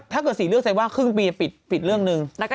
ถ้าคือ๔เรื่องแสดงว่าครึ่งปีฟิตเรื่องนึง